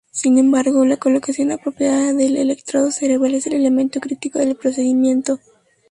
Sin embargo la colocación apropiada del electrodo cerebral es el elemento critico del procedimiento.